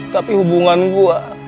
tapi hubungan gue